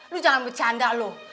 lu jangan bercanda loh